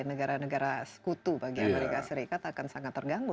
negara negara sekutu bagi amerika serikat akan sangat terganggu